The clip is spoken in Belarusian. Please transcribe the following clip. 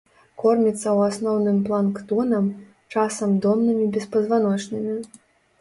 Корміцца ў асноўным планктонам, часам доннымі беспазваночнымі.